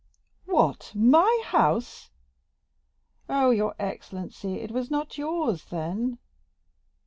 "What! my house?" "Oh, your excellency, it was not yours, then."